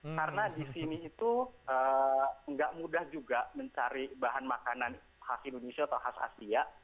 karena di sini itu tidak mudah juga mencari bahan makanan khas indonesia atau khas asia